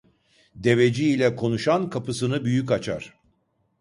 Deveci ile konuşan kapısını büyük açar.